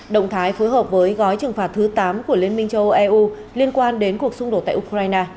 động thái phối hợp với gói trừng phạt thứ tám của liên minh châu âu eu liên quan đến cuộc xung đột tại ukraine